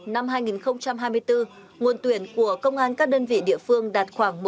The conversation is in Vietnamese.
năm hai nghìn hai mươi bốn nguồn tuyển của công an các đơn vị địa phương đạt khoảng một trăm linh